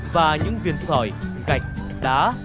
và những viên sòi gạch đá